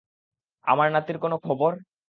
আমার নাতির কোনো খবর?